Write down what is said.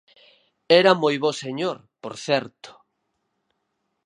Era moi bo señor, por certo.